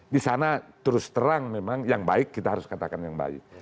di sana terus terang memang yang baik kita harus katakan yang baik